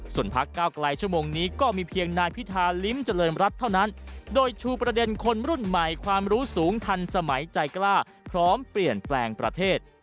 ส่วนพักเก้าไกลชั่วโมงนี้ก็มีเพียงนายพิธาลิ้มเจริญรัฐเท่านั้นโดยชูประเด็นคนรุ่นใหม่ความรู้สูงทันสมัยใจกล้าพร้อมเปลี่ยนแปลงประเทศ